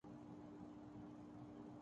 کراچی میں کل سے غیراعلانیہ لوڈشیڈنگ نہیں ہوگی